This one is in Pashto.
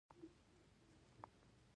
چې د اوبو د اړتیاوو پوره کولو کې مرسته وکړي